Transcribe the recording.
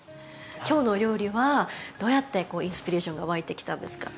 今日のお料理はどうやってインスピレーションが湧いてきたんですか？